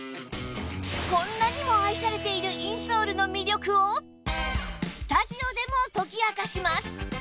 こんなにも愛されているインソールの魅力をスタジオでも解き明かします